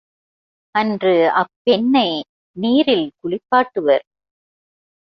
அன்று அப்பெண்ணை நீரில் குளிப்பாட்டுவர்.